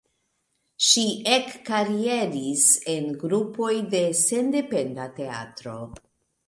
Ŝi ekkarieris en grupoj de sendependa teatro.